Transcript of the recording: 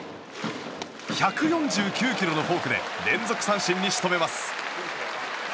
１４９キロのフォークで連続三振に仕留めます。